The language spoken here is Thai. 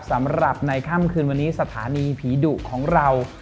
สำหรับในค่ำคืนวันนี้สถานีผีดุของเรา